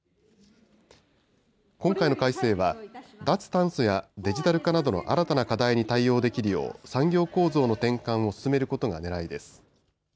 今回の改正は脱炭素やデジタル化などの新たな課題に対応できるよう産業構造の転換を進めることがねらいです。